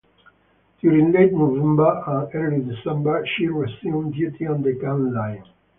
During late November and early December, she resumed duty on the gunline.